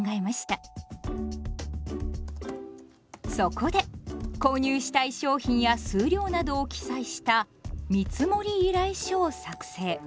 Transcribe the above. そこで購入したい商品や数量などを記載した「見積依頼書」を作成。